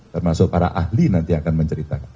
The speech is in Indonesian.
termasuk para ahli nanti akan menceritakan